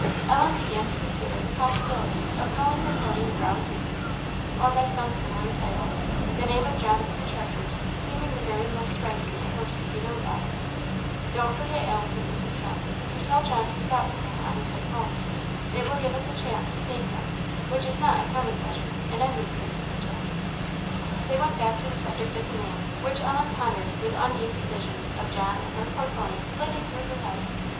Ellen began to consider the possibility of calling her pony the Brown Princess, or by some similar title the name of John's two chargers seeming the very most striking a horse could be known by. "Don't forget, Alice," said Mrs. Chauncey, "to tell John to stop for him on his way home. It will give us a chance of seeing him, which is not a common pleasure, in any sense of the term." They went back to the subject of the name, which Ellen pondered with uneasy visions of John and her poor pony flitting through her head.